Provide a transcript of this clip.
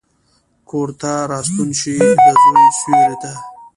کورته راستون شي، دزوی سیورې ته،